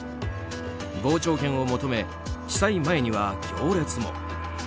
傍聴券を求め地裁前には行列も。